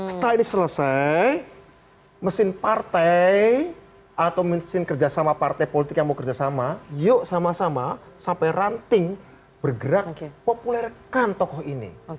setelah ini selesai mesin partai atau mesin kerjasama partai politik yang mau kerjasama yuk sama sama sampai ranting bergerak populerkan tokoh ini